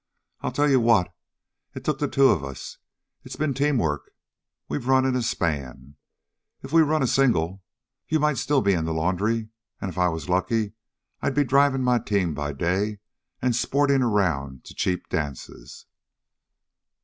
"I'll tell you what: It took the two of us. It's been team work. We've run in span. If we'd a run single, you might still be in the laundry; an', if I was lucky, I'd be still drivin' team by the day an' sportin' around to cheap dances."